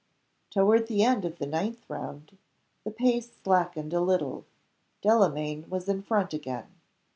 Toward the end of the ninth round, the pace slackened a little; and Delamayn was in front again.